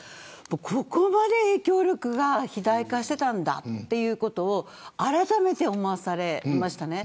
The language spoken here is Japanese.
ここまで影響力が肥大化していたんだということをあらためて思わされました。